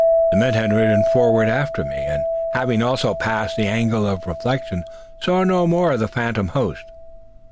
The men had ridden forward after me, and having also passed the angle of refraction saw no more of the phantom host.